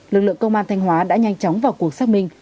lực lượng công an thanh hóa đã nhanh chóng vào cuộc xác minh